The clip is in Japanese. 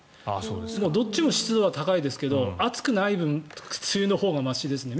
どっちも湿度は高いですけど暑くない分梅雨のほうがましですね。